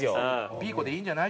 ピーコでいいんじゃない？